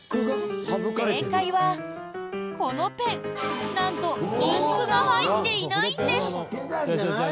正解は、このペン、なんとインクが入っていないんです。